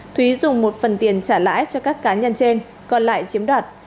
thúy dùng một phần tiền trả lãi cho các cá nhân trên còn lại chiếm đoạt